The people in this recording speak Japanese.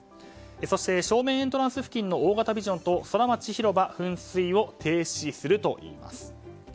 そして、正面エントランス付近の大型ビジョンとソラマチ広場噴水を停止するといいます。